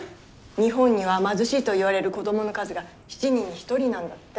日本には貧しいと言われる子どもの数が７人に１人なんだって。